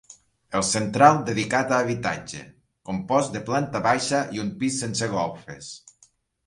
El central dedicat a habitatge, compost de planta baixa i un pis sense golfes.